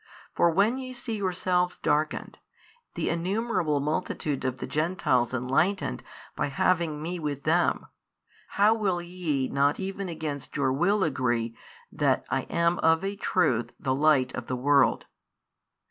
For when ye see yourselves darkened, the innumerable multitude of the Gentiles enlightened by having Me with them, how will ye not even against your will agree that I am of a truth the light of the world?